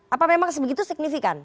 apa memang masih begitu signifikan